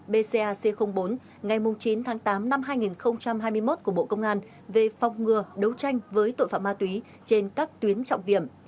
bcac bốn ngày chín tháng tám năm hai nghìn hai mươi một của bộ công an về phong ngừa đấu tranh với tội phạm ma túy trên các tuyến trọng điểm